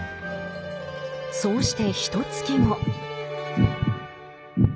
そうしてひとつき後。